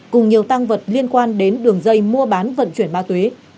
cùng nhiều tăng vật liên quan đến đường dây mua bán vận chuyển ma túy